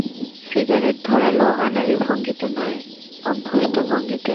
Cigarette ধরাল আনাড়ি ভঙ্গিতে নয়, অভ্যস্ত ভঙ্গিতে।